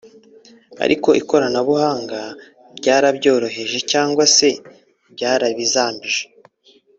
Ariko ikoranabuhanga ryarabyoroheje cyangwa se byarabizambije